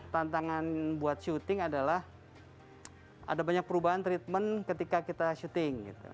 tantangan buat syuting adalah ada banyak perubahan treatment ketika kita syuting